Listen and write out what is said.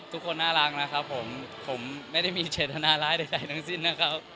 ทุกคนน่ารักนะครับผมผมไม่ได้มีเจตนาร้ายใดทั้งสิ้นนะครับ